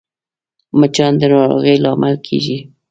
مچان د ناروغیو لامل کېږي